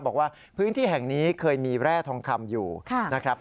บอกว่าพื้นที่แห่งนี้เคยมีแร่ทองคำอยู่นะครับ